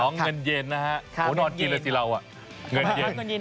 อ๋อเงินเยนนะฮะโหนอนกินแล้วสิเราอะเงินเยน